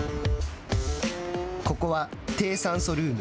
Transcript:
ここは低酸素ルーム。